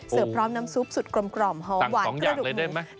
เสิร์ฟพร้อมน้ำซุปสุดกลมหอมหวานเกลือดหมู